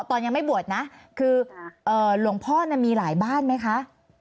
ตอนยังไม่บวชนะคือหลวงพ่อมีหลายบ้านไหมคะ